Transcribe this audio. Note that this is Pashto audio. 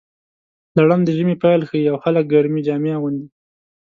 لړم د ژمي پیل ښيي، او خلک ګرمې جامې اغوندي.